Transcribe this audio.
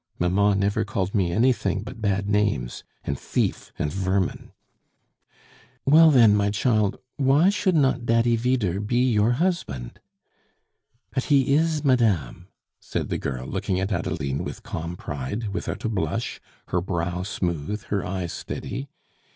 Mamma never called me anything but bad names and thief, and vermin!" "Well, then, my child, why should not Daddy Vyder be your husband?" "But he is, madame," said the girl, looking at Adeline with calm pride, without a blush, her brow smooth, her eyes steady.